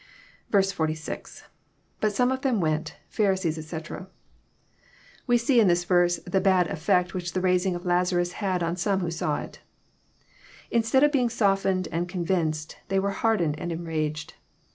46. — IBtU some of them went... Pharisees, etc."] We see in this verse the bad effect which the raising of Lazarus had on some who saw it. Instead of being softened and convinced, they were hardened and enraged.